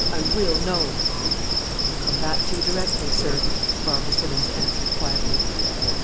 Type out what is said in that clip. I will know!" "I will come back to you directly, sir," Barbara Simmons answered quietly.